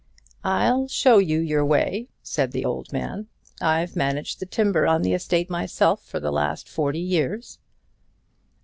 "I'll show you your way," said the old man. "I've managed the timber on the estate myself for the last forty years."